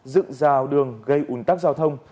dựng rào đường gây ủn tắc giao thông